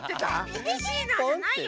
「きびしいなあ」じゃないよ